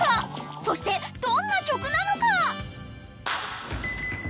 ［そしてどんな曲なのか］